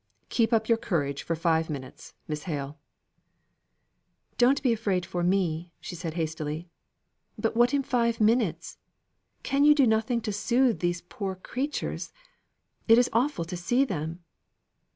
Keep up your courage for five minutes, Miss Hale." "Don't be afraid for me," she said hastily. "But what in five minutes? Can you do nothing to soothe these poor creatures? It is awful to see them."